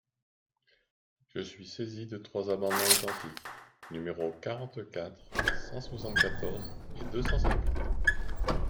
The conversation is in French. Je suis saisi de trois amendements identiques, numéros quarante-quatre, cent soixante-quatorze et deux cent cinquante.